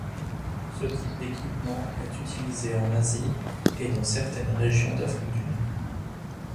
Ce type d’équipement est utilisé en Asie et dans certaines régions d’Afrique du Nord.